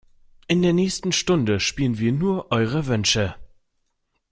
In der nächsten Stunde spielen wir nur eure Wünsche.